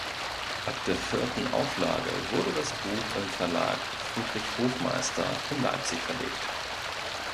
Ab der vierten Auflage wurde das Buch im Verlag Friedrich Hofmeister in Leipzig verlegt.